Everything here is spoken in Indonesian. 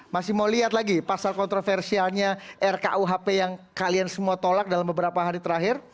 masih mau lihat lagi pasal kontroversialnya rkuhp yang kalian semua tolak dalam beberapa hari terakhir